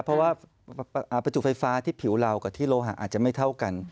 เพราะว่าประจุไฟฟ้าที่ผิวเรากับที่โลหะอาจจะไม่เท่ากัน